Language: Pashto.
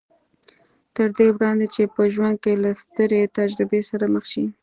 تر دې وړاندې چې په ژوند کې له سترې تجربې سره مخ شي